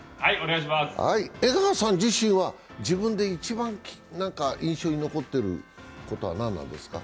江川さん自身は自分で一番印象に残ってることは何ですか。